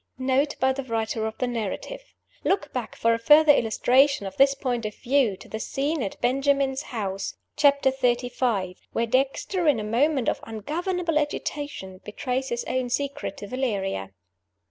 Note by the writer of the Narrative: Look back for a further illustration of this point of view to the scene at Benjamin's house (Chapter XXXV.), where Dexter, in a moment of ungovernable agitation, betrays his own secret to Valeria.